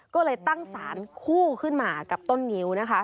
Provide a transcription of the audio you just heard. ก็เลยตั้งสารคู่ขึ้นมากับต้นงิ้วนะคะ